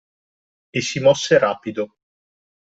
E si mosse rapido.